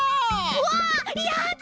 うわやった！